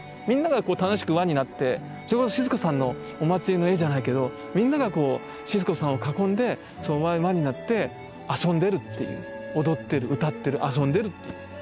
みんなが楽しく輪になってそれはシスコさんのお祭りの絵じゃないけどみんながこうシスコさんを囲んで輪になって遊んでるっていう踊ってる歌ってる遊んでるっていう。